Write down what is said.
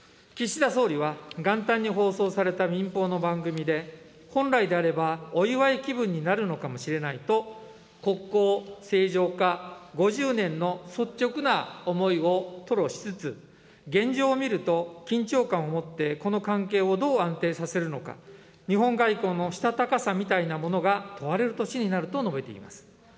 岸田総理は、元旦に放送された民放の番組で、本来であれば、お祝い気分になるのかもしれないと、国交正常化５０年の率直な思いを吐露しつつ、現状を見ると、緊張感を持ってこの関係をどう安定させるのか、日本外交のしたたかさみたいなものが問われる年になると述べています。